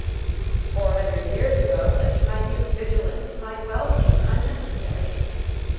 Four hundred years ago such minute vigilance might well seem unnecessary.